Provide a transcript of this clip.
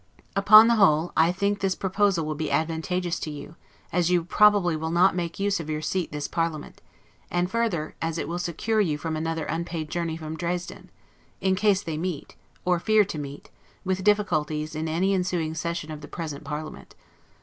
Upon the whole, I think this proposal advantageous to you, as you probably will not make use of your seat this parliament; and, further, as it will secure you from another unpaid journey from Dresden, in case they meet, or fear to meet, with difficulties in any ensuing session of the present parliament.